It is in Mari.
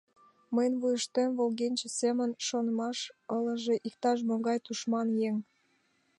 Мыйын вуйыштем, волгенче семын, шонымаш ылыже: «Иктаж-могай тушман еҥ!